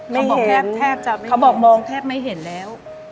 ไม่เห็นเขาบอกแทบไม่เห็นแล้ว